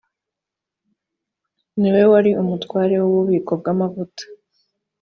ni we wari umutware w ububiko bw amavuta